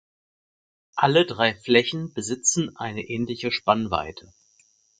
Alle drei Flächen besitzen eine ähnliche Spannweite.